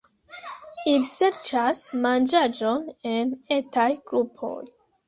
Ili serĉas manĝaĵon en etaj grupoj.